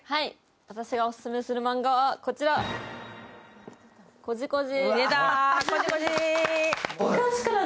私がオススメするマンガはこちら、「コジコジ」。